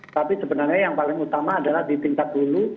tapi sebenarnya yang paling utama adalah di tingkat hulu